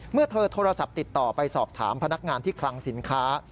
เมื่อเธอโทรศัพท์ติดต่อไปสอบถามพนักงานที่คลังสินค้า